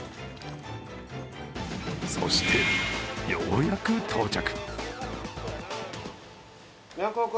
そして、ようやく到着。